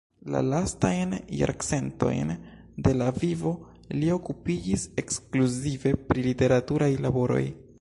La lastajn jarcentojn de la vivo li okupiĝis ekskluzive pri literaturaj laboroj.